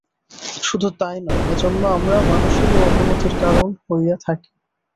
শুধু তাই নয়, এজন্য আমরা মানুষেরও অবনতির কারণ হইয়া থাকি।